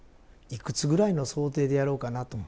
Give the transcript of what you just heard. いくつぐらいの想定でやろうかなと。